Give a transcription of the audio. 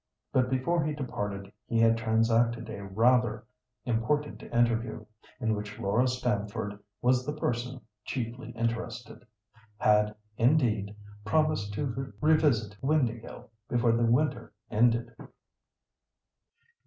But before he departed he had transacted a rather important interview, in which Laura Stamford was the person chiefly interested; had, indeed, promised to revisit Windāhgil before the winter ended.